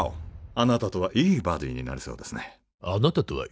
「あなたとはいいバディになれそうですね」